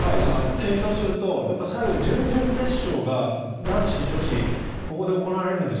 検証するとやっぱり最後準々決勝が男子、女子がここで行われるんです。